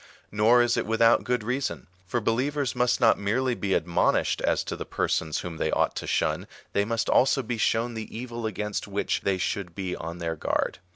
Nor is it without good reason ; for believers must not merely be admonished as to the persons whom they ought to shun, they must also be shown the evil against which they should be on their guard.